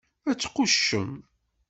Ad tquccem!